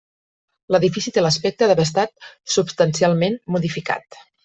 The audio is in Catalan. L'edifici té l'aspecte d'haver estat substancialment modificat.